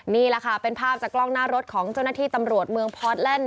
นี่แหละค่ะเป็นภาพจากกล้องหน้ารถของเจ้าหน้าที่ตำรวจเมืองพอตแลนด